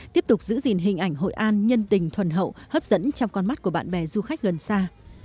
tiếp tục giữ gìn hình ảnh hội an nhân tình thuần hậu hấp dẫn trong con mắt của bạn bè du khách gần xa